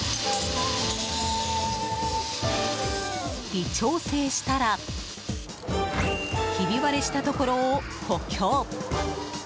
微調整したらひび割れしたところを補強。